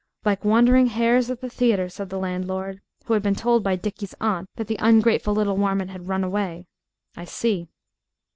"Like Wandering Hares at the theatre," said the landlord, who had been told by Dickie's aunt that the "ungrateful little warmint" had run away. "I see."